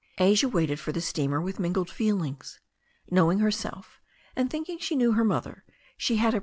Asia waited for the steamer with mingled feelings. Know ing herself, and thinking she knew her mother, she had a.